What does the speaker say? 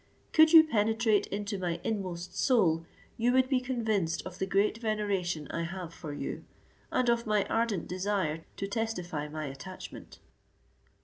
Could you penetrate into my inmost soul, you would be convinced of the great veneration I have for you, and of my ardent desire to testify my attachment."